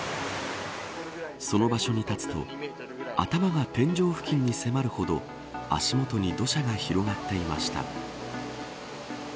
その場所に立つと頭が天井付近に迫るほど足元に土砂が広がっていました。